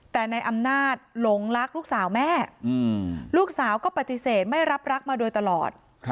แต่ในอำนาจหลงรักลูกสาวแม่ลูกสาวก็ปฏิเสธไม่รับรักมาโดยตลอด